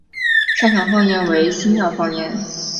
擅长方言为新舄方言。